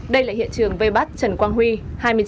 đây là hiện trường vây bắt trần quang huy